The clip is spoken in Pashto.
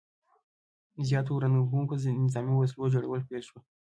زیاتو ورانوونکو نظامي وسلو جوړول پیل شو.